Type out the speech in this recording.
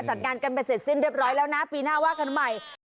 จัดงานกันไปเสร็จสิ้นเรียบร้อยแล้วนะปีหน้าว่ากันใหม่